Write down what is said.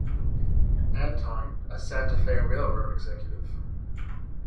Anton, a Santa Fe railroad executive.